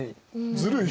ずるい？